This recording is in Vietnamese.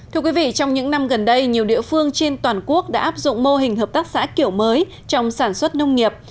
thưa quý vị trong những năm gần đây nhiều địa phương trên toàn quốc đã áp dụng mô hình hợp tác xã kiểu mới trong sản xuất nông nghiệp